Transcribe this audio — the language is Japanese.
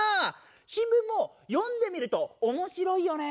新聞も読んでみるとおもしろいよね。